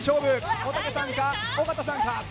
おたけさんか尾形さんか。